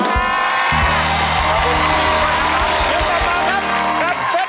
เดี๋ยวกลับมาครับ